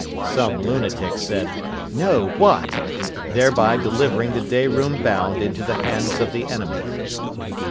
Some lunatic said, "No. What?" thereby delivering the day room bound into the hands of the enemy.